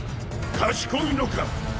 賢いのか？